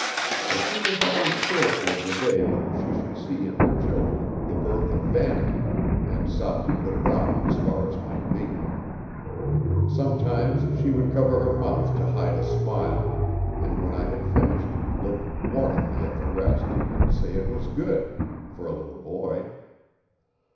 For she was always fearful of the day when she should see in her children the birth of vanity, and sought to put it off as far as might be. Sometimes she would cover her mouth to hide a smile, and, when I had finished, look warningly at the rest, and say it was good, for a little boy.